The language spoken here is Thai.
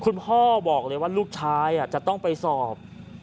คุณพ่อบอกเลยว่าลูกชายจะต้องไปสอบ